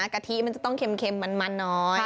กะทิมันจะต้องเค็มเค็มมันมันน้อย